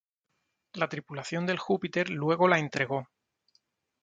La tripulación del "Júpiter" luego la entregó.